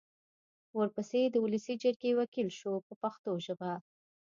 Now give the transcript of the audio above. ورپسې د ولسي جرګې وکیل شو په پښتو ژبه.